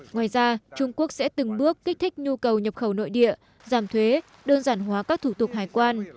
ngoài ra trung quốc sẽ từng bước kích thích nhu cầu nhập khẩu nội địa giảm thuế đơn giản hóa các thủ tục hải quan